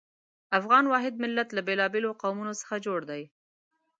افغان واحد ملت له بېلابېلو قومونو څخه جوړ دی.